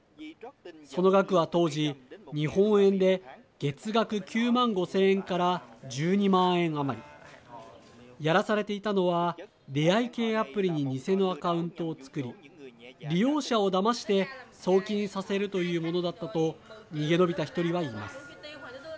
その額は当時、日本円で月額９万５０００円から１２万円余り。やらされていたのは出会い系アプリに偽のアカウントを作り利用者をだまして送金させるというものだったと逃げ延びた１人は言います。